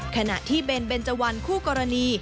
ขณะที่เบนเบนเจวันคู่กรณี